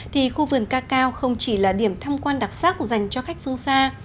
thì khu vườn ca cao không chỉ là điểm thăm quan đặc sắc dành cho khách phương xa